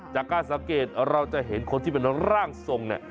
จากการสังเกตเราจะเห็นคนที่เป็นร่างทรงเนี่ย